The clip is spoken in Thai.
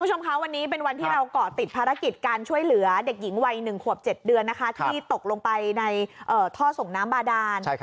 คุณผู้ชมคะวันนี้เป็นวันที่เราเกาะติดภารกิจการช่วยเหลือเด็กหญิงวัย๑ขวบ๗เดือนนะคะที่ตกลงไปในท่อส่งน้ำบาดาน